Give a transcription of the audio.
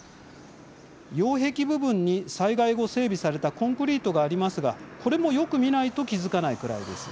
擁壁部分に災害後、整備されたコンクリートがありますがこれもよく見ないと気付かないくらいです。